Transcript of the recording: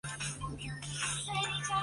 前缘的阀门有两个小皱褶。